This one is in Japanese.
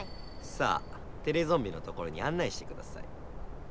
さあテレゾンビのところにあん内してください。